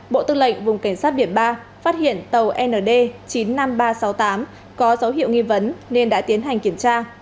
bộ tư lệnh vùng cảnh sát biển ba phát hiện tàu nd chín mươi năm nghìn ba trăm sáu mươi tám có dấu hiệu nghi vấn nên đã tiến hành kiểm tra